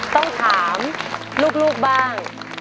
ต้องถามลูกบ้าง